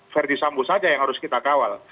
verdi sambo saja yang harus kita kawal